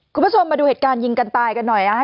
คุณผู้ชมมาดูเหตุการณ์ยิงกันตายกันหน่อยนะฮะ